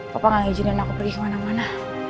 papa gak ngijinkan aku pergi ke mana mana